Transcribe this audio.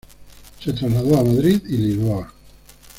Se trasladó a Madrid y Lisboa.